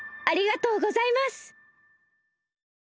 ありがとうございます！